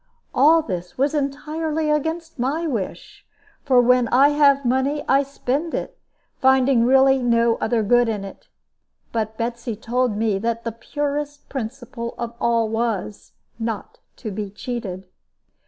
All this was entirely against my wish; for when I have money, I spend it, finding really no other good in it; but Betsy told me that the purest principle of all was not to be cheated.